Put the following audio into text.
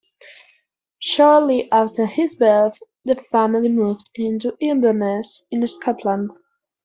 Shortly after his birth the family moved to Inverness, in Scotland.